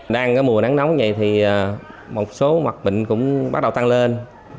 đang có mùa nắng nóng như vậy thì một số mặt bệnh cũng bắt đầu tăng lên